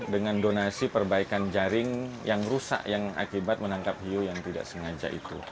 dengan donasi perbaikan jaring yang rusak yang akibat menangkap hiu yang tidak sengaja itu